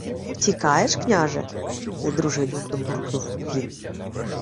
— Втікаєш, княже? — недружелюбно буркнув він.